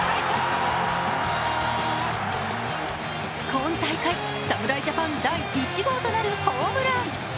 今大会、侍ジャパン第１号となるホームラン。